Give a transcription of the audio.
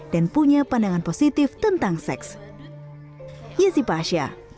dan punya pandangan positif tentang seks